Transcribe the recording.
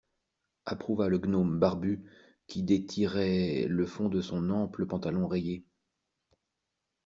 Approuva le gnome barbu, qui détirait le fond de son ample pantalon rayé.